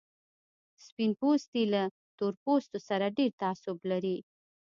سپين پوستي له تور پوستو سره ډېر تعصب لري.